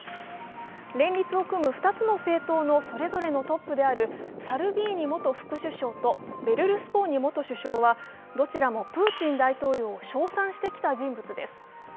連立を組む２つの政党のそれぞれのトップであるサルビーニ元副首相とベルルスコーニ元首相は、どちらもプーチン大統領を称賛してきた人物です。